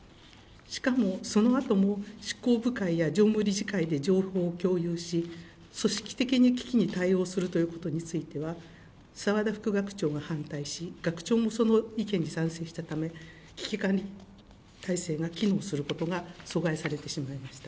しかもそのあとも執行部会や常務理事会で情報を共有し、組織的に危機に対応するということについては、澤田副学長が反対し、学長もその意見に賛成したため、危機管理体制が機能することが阻害されてしまいました。